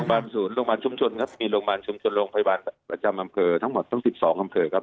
มีโรงพยาบาลชุมชนโรงพยาบาลประจำอำเภอทั้งหมด๑๒อำเภอครับ